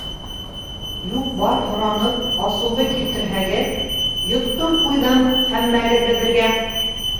Юҡ-бар һоранып асыуҙы килтерһәгеҙ, йоттом ҡуйҙым, һәммәгеҙҙе бергә!